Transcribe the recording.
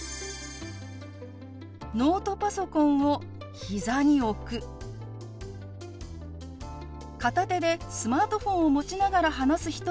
ノートパソコンを膝に置く片手でスマートフォンを持ちながら話す人もいるかもしれません。